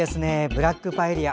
ブラックパエリア